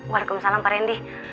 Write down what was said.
waalaikumsalam pak rendy